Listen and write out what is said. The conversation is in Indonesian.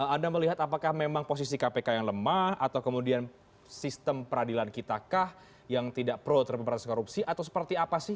anda melihat apakah memang posisi kpk yang lemah atau kemudian sistem peradilan kita kah yang tidak pro terhadap korupsi atau seperti apa sih